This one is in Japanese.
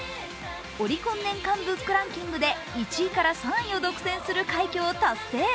オリコン年間ブックランキングで１位から３位を独占する快挙を達成。